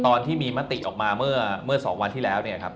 ตอนที่มีมัตติออกมาเมื่อสองวันที่แล้ว